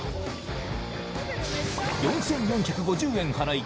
４４５０円払い